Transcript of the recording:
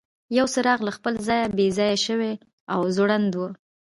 یو څراغ له خپل ځایه بې ځایه شوی او ځوړند و.